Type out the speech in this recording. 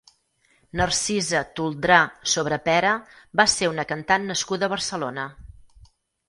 Narcisa Toldrà Sobrepera va ser una cantant nascuda a Barcelona.